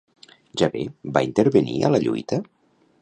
Jahvè va intervenir a la lluita?